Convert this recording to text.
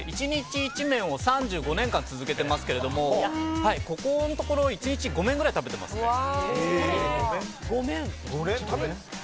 １日１麺を３５年間続けてますけどここのところ１日５麺くらい食べてますね。